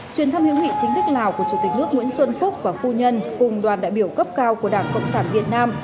chuyến thăm hữu nghị chính thức lào của chủ tịch nước nguyễn xuân phúc và phu nhân cùng đoàn đại biểu cấp cao của đảng cộng sản việt nam